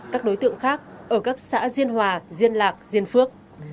các đối tượng khác ở các xã diên hòa diên lạc diên phước